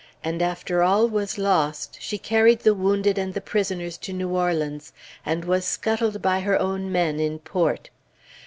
And after all was lost, she carried the wounded and the prisoners to New Orleans, and was scuttled by her own men in port.